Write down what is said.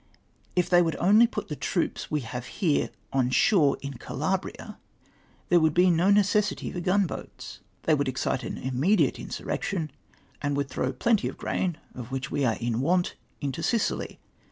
If they would only put the troops we have here on shore in Calabria, there would be no necessity for gun boats. They would excite an immediate insurrection, and would throw plenty of grain, of which we are in want, into Sicily.